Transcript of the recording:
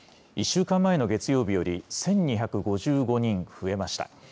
１週間前の月曜日より１２５５人増えました。